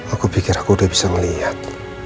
aku pikir aku udah bisa melihat